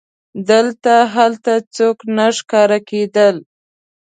دلته هلته څوک نه ښکارېدل.